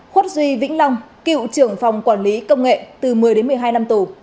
khuất duy vĩnh long cựu trưởng phòng quản lý công nghệ từ một mươi đến một mươi hai năm tù